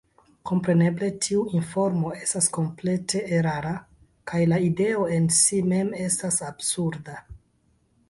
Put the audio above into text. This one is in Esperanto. Kompreneble tiu informo estas komplete erara, kaj la ideo en si mem estas absurda.